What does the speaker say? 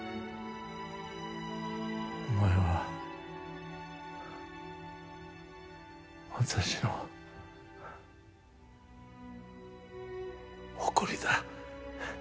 おまえは私の誇りだ。